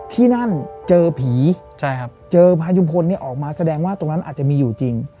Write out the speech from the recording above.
ที่นั่นเจอผีเจอพายุมพลออกมาแสดงว่าตรงนั้นอาจจะมีอยู่จริง